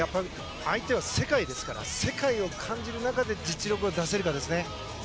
相手は世界ですから世界を感じる中で実力を出せるかですね。